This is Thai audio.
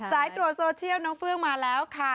สายตรวจโซเชียลน้องเฟื่องมาแล้วค่ะ